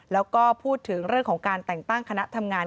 แล้วก็พูดถึงเรื่องของการแต่งตั้งคณะทำงาน